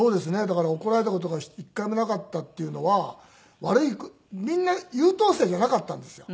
だから怒られた事が一回もなかったっていうのはみんな優等生じゃなかったんですよ。